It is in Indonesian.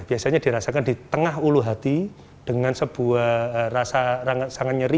biasanya dirasakan di tengah ulu hati dengan sebuah rasa sangat nyeri